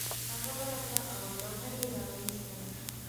هغه ورغله او لوحه یې راویستله